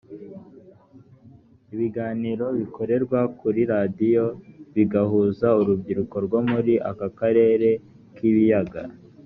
ibiganiro bikorerwa kuri radiyo bigahuza urubyiruko rwo muri aka karere k ibiyaga